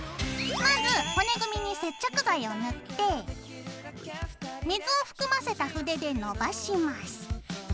まず骨組みに接着剤を塗って水を含ませた筆で伸ばします。